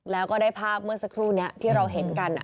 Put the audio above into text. แล้วก็ได้ภาพเมื่อสักครู่นี้ที่เราเห็นกัน